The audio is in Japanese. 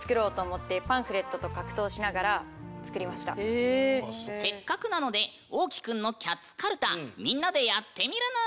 もともとせっかくなのでおうきくんのキャッツかるたみんなでやってみるぬん！